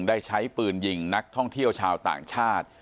ได้ใช้ปืนยิงนักท่องเที่ยวชาวต่างชาติ